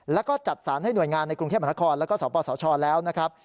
แล้วก็จัดสรรให้หน่วยงานในกรุงเทพมหานครแล้วก็สปสชแล้วนะครับ